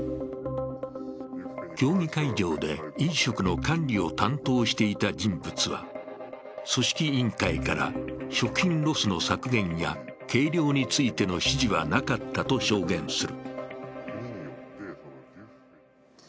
競技会場で飲食の管理を担当していた人物は、組織委員会から食品ロスの削減や計量についての指示はなかったと証言する。